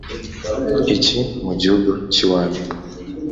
iki mu gihugu cy iwanyu